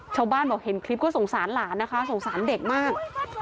ชาวบ้านบอกเห็นคลิปก็สงสารหลานนะคะสงสารเด็กมาก